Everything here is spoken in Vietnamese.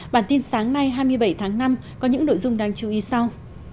bản tin sáng nay hai mươi bảy tháng năm có những nội dung đáng chú ý sau